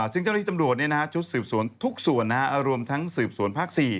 ซึ่งเจ้าหน้าที่ตำรวจชุดสืบสวนทุกส่วนรวมทั้งสืบสวนภาค๔